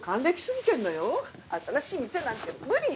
新しい店なんて無理！